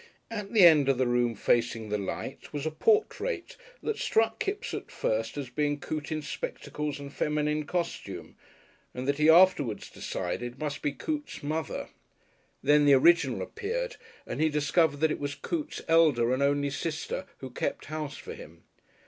At the end of the room facing the light was a portrait that struck Kipps at first as being Coote in spectacles and feminine costume and that he afterwards decided must be Coote's mother. Then the original appeared and he discovered that it was Coote's elder and only sister who kept house for him.